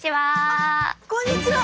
こんにちは。